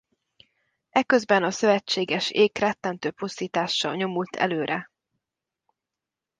Eközben a szövetséges ék rettentő pusztítással nyomult előre.